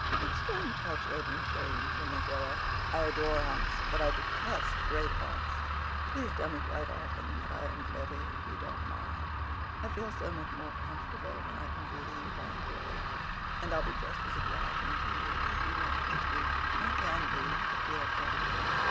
It's strange how children change when they grow up.' I adore aunts, but I detest great aunts. Please tell me quite often that I am pretty, if you don't mind. I feel so much more comfortable when I can believe I'm pretty. And I'll be just as obliging to you if you want me to—I can be, with a clear conscience."